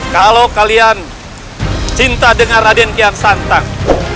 kalau kalian cinta dengan raden kian santang